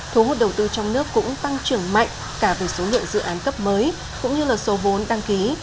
thu hút đầu tư trong nước cũng tăng trưởng mạnh cả về số lượng dự án cấp mới cũng như là số vốn đăng ký